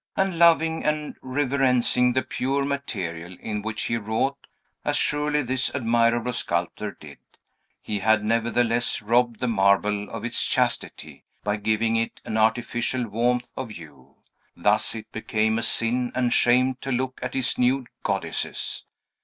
And, loving and reverencing the pure material in which he wrought, as surely this admirable sculptor did, he had nevertheless robbed the marble of its chastity, by giving it an artificial warmth of hue. Thus it became a sin and shame to look at his nude goddesses.